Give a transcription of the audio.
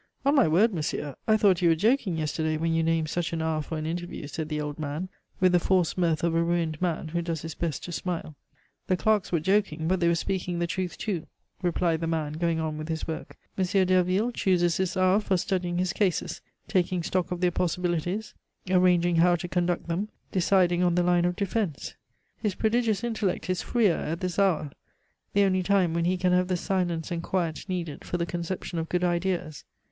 "On my word, monsieur, I thought you were joking yesterday when you named such an hour for an interview," said the old man, with the forced mirth of a ruined man, who does his best to smile. "The clerks were joking, but they were speaking the truth too," replied the man, going on with his work. "M. Derville chooses this hour for studying his cases, taking stock of their possibilities, arranging how to conduct them, deciding on the line of defence. His prodigious intellect is freer at this hour the only time when he can have the silence and quiet needed for the conception of good ideas.